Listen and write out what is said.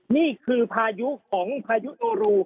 นี่คือพายุของพายุโนรู